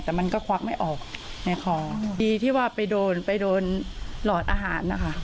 แต่มันก็ควักไม่ออกในคอดีที่ว่าไปโดนไปโดนหลอดอาหารนะคะ